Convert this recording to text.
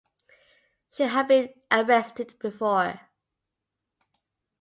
She had been arrested before.